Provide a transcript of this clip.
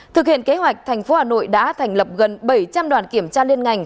thực hiện kế hoạch thành phố hà nội đã thành lập gần bảy trăm linh đoàn kiểm tra liên ngành